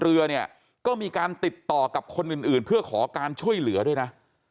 เรือเนี่ยก็มีการติดต่อกับคนอื่นเพื่อขอการช่วยเหลือด้วยนะ